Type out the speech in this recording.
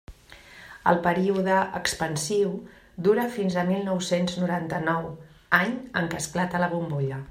El període expansiu dura fins a mil nou-cents noranta-nou, any en què esclata la bombolla.